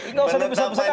nggak usah dibesarkan